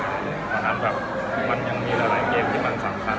เพราะฉะนั้นมันยังมีหลายเกมที่สำคัญ